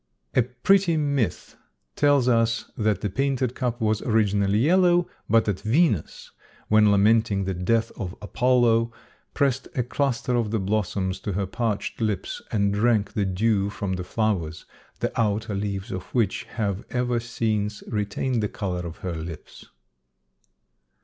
A pretty myth tells us that the painted cup was originally yellow, but that Venus, when lamenting the death of Apollo, pressed a cluster of the blossoms to her parched lips and drank the dew from the flowers, the outer leaves of which have ever since retained the color of her lips.